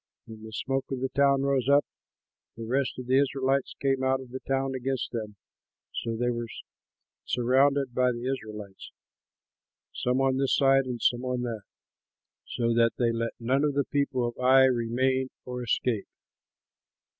When the smoke of the town rose up, the rest of the Israelites came out of the town against them; so they were surrounded by the Israelites, some on this side, and some on that, so that they let none of the people of Ai remain or escape.